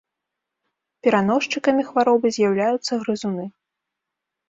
Пераносчыкамі хваробы з'яўляюцца грызуны.